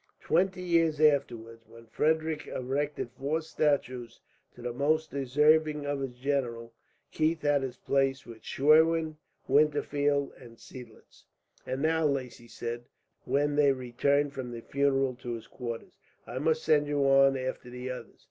Twenty years afterwards, when Frederick erected four statues to the most deserving of his generals, Keith had his place with Schwerin, Winterfeld, and Seidlitz. "And now," Lacy said, when they returned from the funeral to his quarters, "I must send you on after the others.